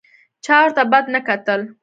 چا ورته بد نه کتل.